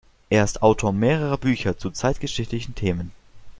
Er ist Autor mehrerer Bücher zu zeitgeschichtlichen Themen.